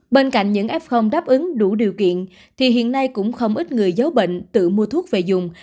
bên cạnh những f đáp ứng đủ điều kiện thì hiện nay cũng không ít người giấu bệnh tự mua thuốc về dùng